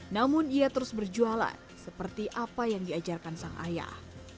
namun ia terus berjualan seperti apa yang diajarkan sang ayah